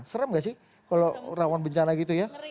serem gak sih kalau rawan bencana gitu ya